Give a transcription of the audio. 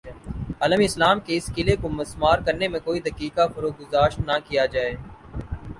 عالم اسلام کے اس قلعے کو مسمار کرنے میں کوئی دقیقہ فروگزاشت نہ کیا جائے